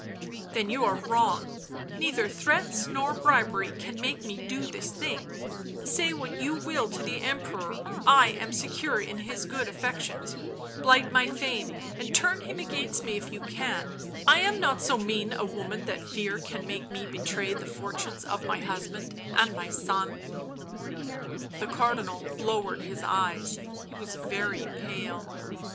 "Then you are wrong; neither threats nor bribery can make me do this thing — say what you will to the Emperor, I am secure in his good affections ; blight my fame and turn him against me if you can, I am not so mean a woman that fear can make me betray the fortunes of my husband and my son." The Cardinal lowered his eyes ; he was very pale.